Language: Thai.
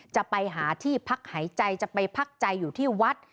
จะไปหาที่พักหายใจจะไปพักใจอยู่ที่วัด